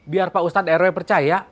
biar pak ustadz ero yang percaya